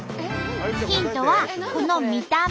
ヒントはこの見た目。